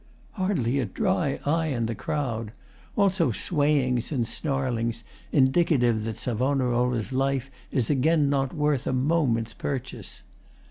[Hardly a dry eye in the crowd. Also swayings and snarlings indicative that SAV.'s life is again not worth a moment's purchase.